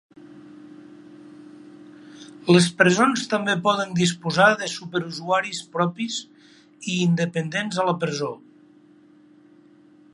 Les presons també poden disposar de superusuaris propis i independents a la presó.